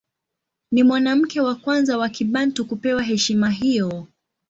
Ni mwanamke wa kwanza wa Kibantu kupewa heshima hiyo.